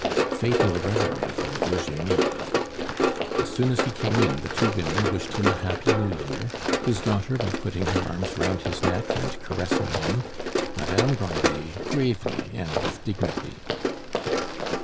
Fatal reverie for Eugenie! As soon as he came in, the two women wished him a happy New Year, his daughter by putting her arms round his neck and caressing him; Madame Grandet gravely and with dignity.